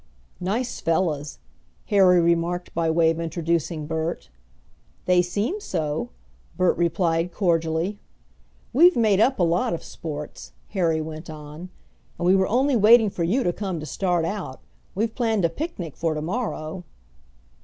"Nice fellows," Harry remarked by way of introducing Bert. "They seem so," Bert replied, cordially. "We've made up a lot of sports," Harry went on, "and we were only waiting for you to come to start out. We've planned a picnic for to morrow."